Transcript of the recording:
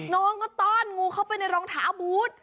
น้องก็ต้อนงูเข้าไปในรองเท้าบูธ